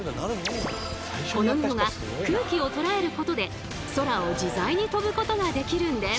この布が空気をとらえることで空を自在に飛ぶことができるんです。